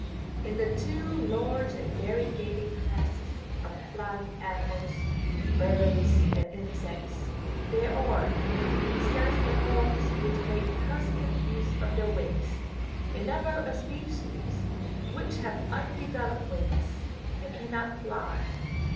In the two large and variegated classes of flying animals, birds and insects, there are, besides the forms which make con stant use of their wings, a number of species which have undeveloped wings and cannot fly.